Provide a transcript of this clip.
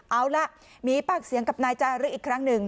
เอาล่ะมีปากเสียงกับนายจารึกอีกครั้งหนึ่ง